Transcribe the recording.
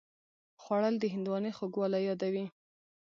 خوړل د هندوانې خوږوالی یادوي